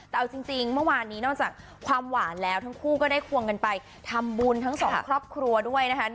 แต่เอาจริงเมื่อวานนี้นอกจากความหวานแล้วทั้งคู่ก็ได้ควงกันไปทำบุญทั้งสองครอบครัวด้วยนะคะ